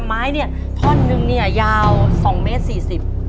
ไม้เนี่ยท่อนึงเนี่ยยาว๒เมตร๔๐